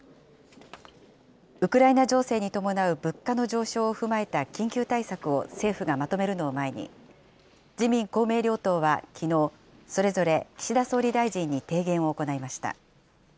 ウクライナ情勢に伴う物価の上昇を踏まえた緊急対策を政府がまとめるのを前に、自民、公明両党はきのう、それぞれ岸田総理大臣に提言を行いました。